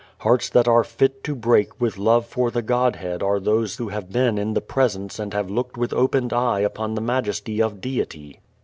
Hearts that are "fit to break" with love for the Godhead are those who have been in the Presence and have looked with opened eye upon the majesty of Deity.